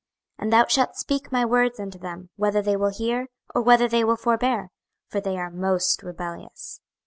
26:002:007 And thou shalt speak my words unto them, whether they will hear, or whether they will forbear: for they are most rebellious.